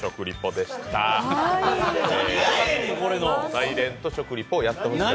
サイレント食リポをやってほしかった。